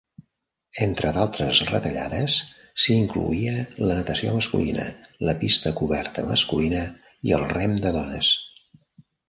Entre d'altres retallades s'hi incloïa la natació masculina, la pista coberta masculina i el rem de dones.